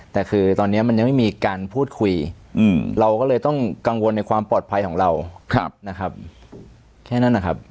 แต่คือตอนนี้มันยังไม่มีการพูดคุยเราก็เลยต้องกังวลในความปลอดภัยของเรานะครับแค่นั้นนะครับ